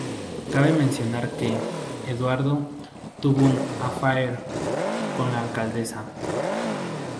Cabe mencionar que "Eduardo" tuvo un 'affaire' con la alcaldesa.